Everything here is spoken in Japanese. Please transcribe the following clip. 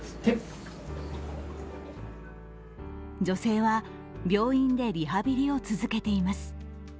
女性は、病院でリハビリを続けています。